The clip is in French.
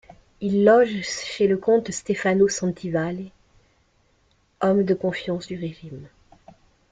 Il loge chez le comte Stefano Sanvitale, homme de confiance du régime.